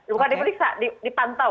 bukan diperiksa dipantau